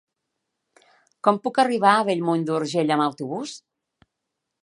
Com puc arribar a Bellmunt d'Urgell amb autobús?